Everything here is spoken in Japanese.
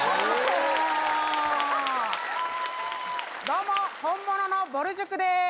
どうも本物のぼる塾でーす。